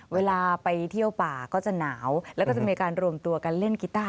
เวลาไปเที่ยวป่าก็จะหนาวแล้วก็จะมีการรวมตัวกันเล่นกีต้า